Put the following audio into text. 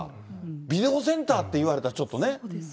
ビデオセンターって言われたら、ちょっとね。